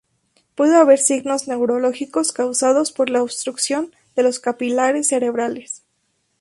Puede haber signos neurológicos causados por la obstrucción de los capilares cerebrales.